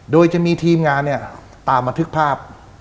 โดยจะมีทีมงานตามมาทึกภาพ